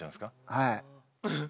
はい。